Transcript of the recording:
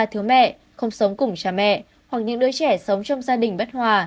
thiếu mẹ không sống cùng cha mẹ hoặc những đứa trẻ sống trong gia đình bất hòa